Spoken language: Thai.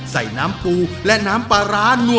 ใส่น้ำปูและน้ำปลาร้านัว